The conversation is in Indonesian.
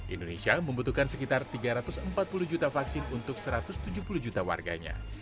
indonesia membutuhkan sekitar tiga ratus empat puluh juta vaksin untuk satu ratus tujuh puluh juta warganya